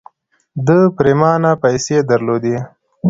ده پرېمانه پيسې درلودې.